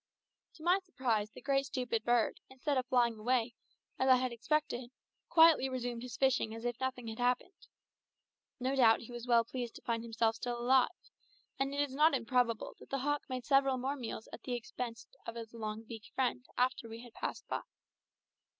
To my surprise the great stupid bird, instead of flying away, as I had expected, quietly resumed his fishing as if nothing had happened. No doubt he was well pleased to find himself still alive, and it is not improbable that the hawk made several more meals at the expense of his long beaked friend after we had passed by.